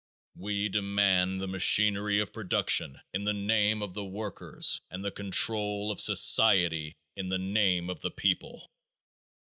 We demand the machinery of production in the name of the workers and the control of society in the name of the people.